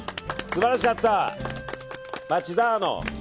素晴らしかった。